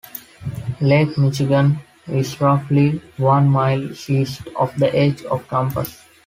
Lake Michigan is roughly one mile east of the edge of campus.